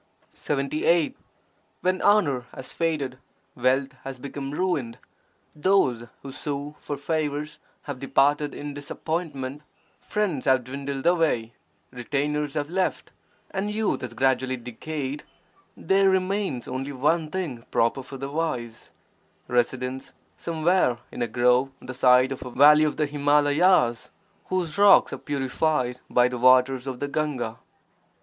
When honour has faded, wealth has become ruined, those who sue for favours have departed in disap pointment, friends have dwindled away, retainers have left, and youth has gradually decayed, there remains only one thing proper for the wise — residence somewhere in a grove on the side of a valley of the Himalayas whose rocks are purified by the waters of the Gahga.